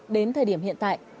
đến thời điểm hiện tại